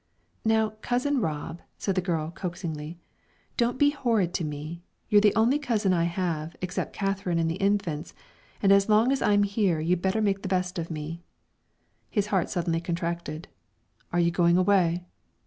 "Now, Cousin Rob," said the girl, coaxingly, "don't be horrid to me. You're the only cousin I have, except Katherine and the infants; and as long as I'm here you'd better make the best of me." His heart suddenly contracted. "Are you going away?"